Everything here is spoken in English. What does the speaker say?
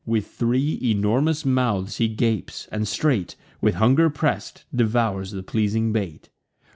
With three enormous mouths he gapes; and straight, With hunger press'd, devours the pleasing bait.